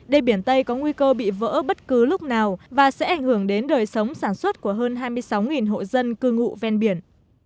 đê biển tây có nguy cơ bị vỡ bất cứ lúc nào và sẽ ảnh hưởng đến đời sống sản xuất của hơn hai mươi sáu hộ dân cư ngụ ven biển